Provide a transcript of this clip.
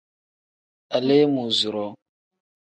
Aleemuuzuroo.